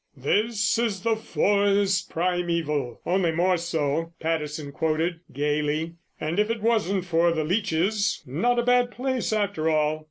"'This is the forest primeval, only more so,'" Patterson quoted gaily, "and, if it wasn't for the leeches, not a bad place after all."